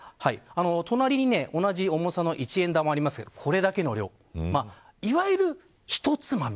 隣に同じ重さの１円玉がありますが、これだけの量いわゆる、ひとつまみ。